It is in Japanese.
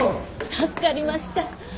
助かりました。